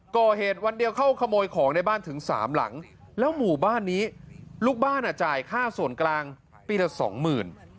ก่อเหตุวันเดียวเข้าขโมยของในบ้านถึงสามหลังแล้วหมู่บ้านนี้ลูกบ้านจ่ายค่าส่วนกลางปีละสองหมื่น